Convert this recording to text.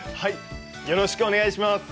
よろしくお願いします。